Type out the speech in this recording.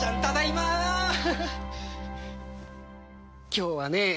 今日はね